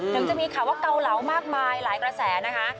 ถึงจะมีข่าวว่าเกาเหลามากมายหลายกระแสนะคะ